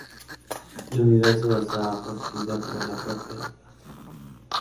La unidad subastada fue adquirida por la propia Mattel.